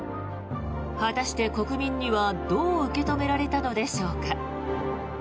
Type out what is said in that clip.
果たして、国民にはどう受け止められたのでしょうか。